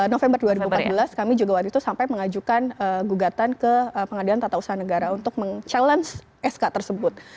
november dua ribu empat belas kami juga waktu itu sampai mengajukan gugatan ke pengadilan tata usaha negara untuk mencabar sk tersebut